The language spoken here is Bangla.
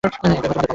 এবার তোমাদের পালা।